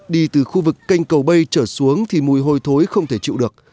đi từ khu vực kênh cầu bay trở xuống thì mùi hôi thối không thể chịu được